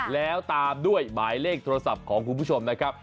แล้วตามด้วยหมายเลขโทรศัพท์ของคุณผู้ชมนะครับ